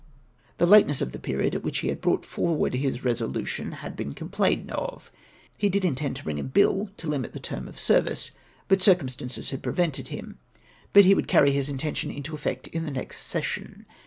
" The lateness of the period at which he had brought for ward his resolution had been complained of. He did intend to bring in a bill to limit the term of service, but circum stances had prevented him ; but he would carry his intention into effect in the next session.